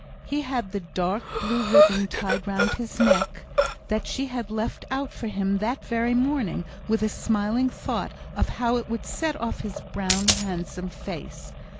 He had the dark blue ribbon tied round his neck that she had left out for him that very morning, with a smiling thought of how it would set off his brown, handsome face.